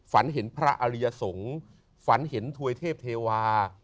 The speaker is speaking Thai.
ฝันเห็นพระอริยสงฆ์ฝันเห็นถวยเทพเทวา